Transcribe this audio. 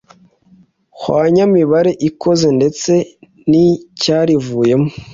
hwanyamibare ikoze ndetse n icyarivuyemo